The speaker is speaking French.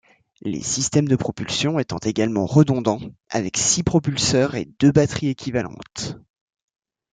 Les systèmes de propulsion étaient également redondants, avec six propulseurs et deux batteries équivalentes.